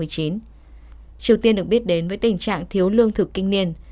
triều tiên được biết đến với tình trạng thiếu lương thực kinh niên